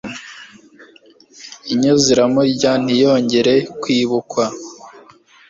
inyo ziramurya ntiyongere kwibukwa